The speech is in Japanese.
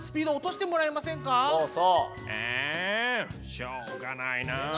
しょうがないな。